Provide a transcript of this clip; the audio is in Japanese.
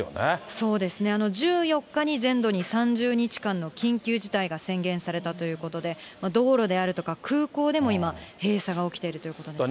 そうですね、１４日に全土に３０日間の緊急事態が宣言されたということで、道路であるとか空港でも今、閉鎖が起きているということですね。